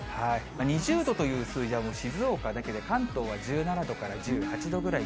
２０度という数字は静岡だけで、関東は１７度から１８度ぐらい。